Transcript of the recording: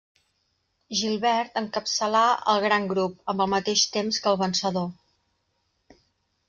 Gilbert encapçalà el gran grup, amb el mateix temps que el vencedor.